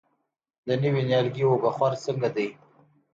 د نوي نیالګي اوبه خور څنګه دی؟